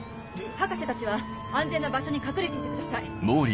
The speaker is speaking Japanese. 博士たちは安全な場所に隠れていてください。